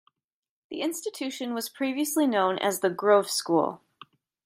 The institution was previously known as the Grove School.